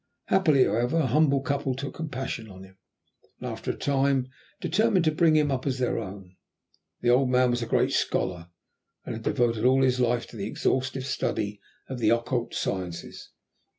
Happily, however, a humble couple took compassion on him, and, after a time, determined to bring him up as their own. The old man was a great scholar, and had devoted all his life to the exhaustive study of the occult sciences.